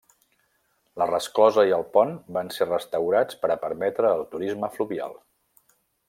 La resclosa i el pont van ser restaurats per a permetre el turisme fluvial.